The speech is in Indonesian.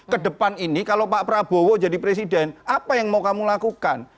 kedepan ini kalau pak prabowo jadi presiden apa yang mau kamu lakukan